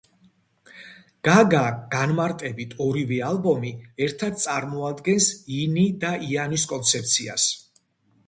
გაგა განმარტებით ორივე ალბომი ერთად წარმოადგენს ინი და იანის კონცეფციას.